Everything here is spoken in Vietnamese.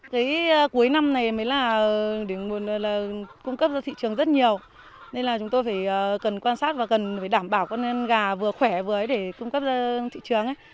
cái cuối năm này mới là cung cấp ra thị trường rất nhiều nên là chúng tôi cần quan sát và cần đảm bảo con gà vừa khỏe vừa ấy để cung cấp ra thị trường